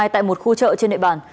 tại một khu chợ trên địa bàn